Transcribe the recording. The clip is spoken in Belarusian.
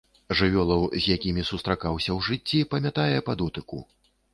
Жывёлаў, з якімі сустракаўся ў жыцці, памятае па дотыку.